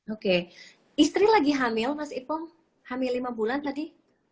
oke istri lagi hamil mas ipong hamil lima bulan tadi